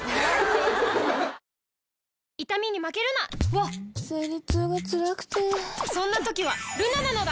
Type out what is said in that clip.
わっ生理痛がつらくてそんな時はルナなのだ！